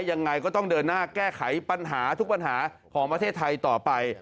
ยังไงก็ต้องเดินหน้าแก้ไขปัญหาทุกปัญหาของประเทศไทยต่อไป